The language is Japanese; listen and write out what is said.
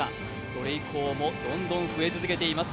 それ以降も、どんどん増え続けています。